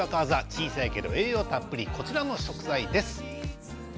小さいけれど栄養たっぷりこちらの食材です。